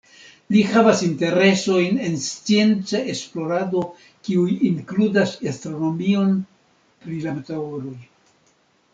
Li havas interesojn en scienca esplorado, kiuj inkludas astronomion pri la meteoroj.